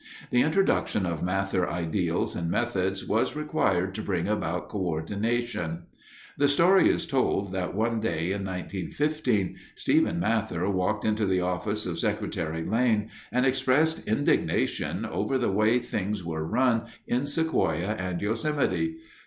The introduction of Mather ideals and methods was required to bring about coördination. The story is told that one day in 1915 Stephen Mather walked into the office of Secretary Lane and expressed indignation over the way things were run in Sequoia and Yosemite.